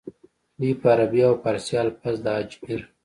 دوي به عربي او فارسي الفاظ د اجمېر